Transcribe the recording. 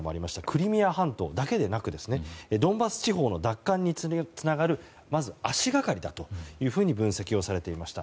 クリミア半島だけでなくドンバス地方の奪還につながるまずは足掛かりだと分析されていました。